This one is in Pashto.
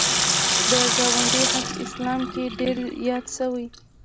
د ګاونډي حق اسلام کې ډېر یاد شوی